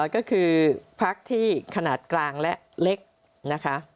ก็คือพักที่ขนาดกลางและเล็กนะคะ